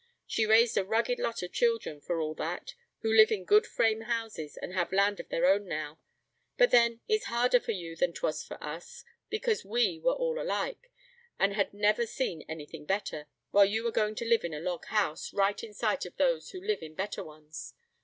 She raised a rugged lot of children, for all that, who live in good frame houses, and have land of their own now; but then it's harder for you than 'twas for us, because we were all alike, and had never seen anything better; while you are going to live in a log house, right in sight of those who live in better ones.